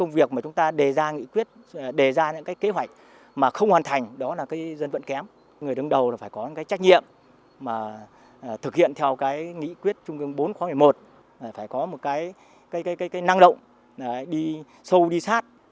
phải có một cái năng động đi sâu đi sát